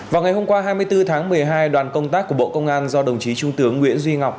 vào ngày hôm qua hai mươi bốn tháng một mươi hai đoàn công tác của bộ công an do đồng chí trung tướng nguyễn duy ngọc